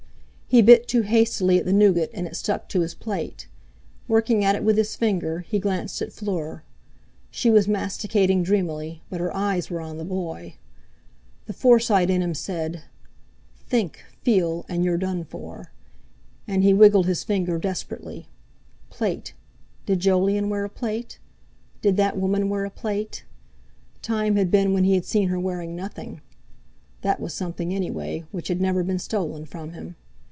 He bit too hastily at the nougat, and it stuck to his plate. Working at it with his finger, he glanced at Fleur. She was masticating dreamily, but her eyes were on the boy. The Forsyte in him said: "Think, feel, and you're done for!" And he wiggled his finger desperately. Plate! Did Jolyon wear a plate? Did that woman wear a plate? Time had been when he had seen her wearing nothing! That was something, anyway, which had never been stolen from him.